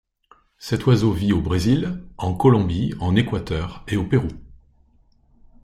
Cet oiseau vit au Brésil, en Colombie, en Équateur et au Pérou.